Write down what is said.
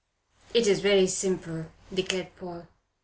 "It's very simple," declared Paul.